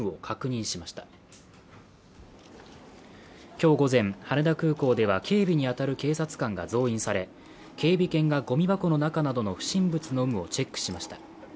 今日午前、羽田空港では警備に当たる警察官が増員され警備犬がごみ箱の中などの不審物の有無をチェックしました。